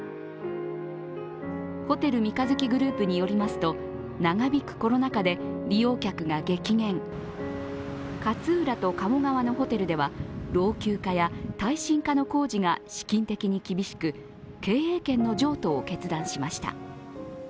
ホテル三日月グループによりますと、長引くコロナ禍で利用客が激減、勝浦と鴨川のホテルでは老朽化や耐震化の工事が資金的に厳しく、経営権の譲渡を決断しました。